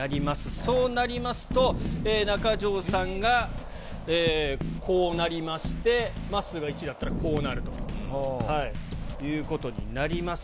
そうなりますと、中条さんがこうなりまして、まっすーが１位だったらこうなるということになります。